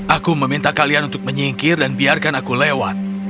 aku meminta kalian untuk menyingkir dan biarkan aku lewat